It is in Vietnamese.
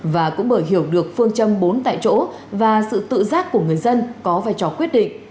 và cũng bởi hiểu được phương châm bốn tại chỗ và sự tự giác của người dân có vai trò quyết định